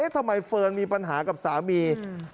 ทำไมเฟิร์นมีปัญหากับสามี